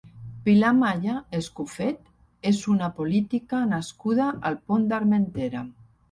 Pilar Malla Escofet és una política nascuda al Pont d'Armentera.